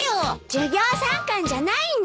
授業参観じゃないんだから！